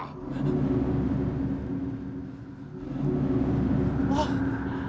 kau kusi mantri agung warugun atau patih surabima